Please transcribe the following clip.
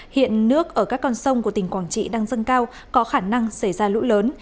hiện nước ở các con sông của tỉnh quảng trị đang dâng cao có khả năng xảy ra lũ lớn